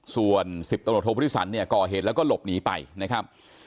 ส่วน๑๐ตำรวจโทพุทธิสันเนี่ยก่อเหตุแล้วก็หลบหนีไปนะครับ